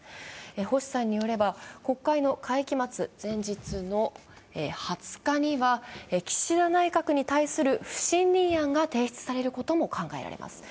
星さんによれば、国会の会期末前日の２０日には、岸田内閣に対する不信任案が提出されることも考えられます。